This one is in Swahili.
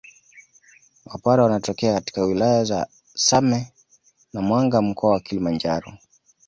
Wapare wanatokea katika wilaya za Same na Mwanga mkoa wa Kilimanjaro